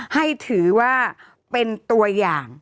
ให้ถือว่าเป็นตัวอย่าง